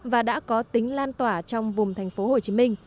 và đã có tính lan tỏa trong vùng tp hcm